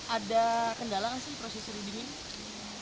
ada kendala nggak sih proses reading ini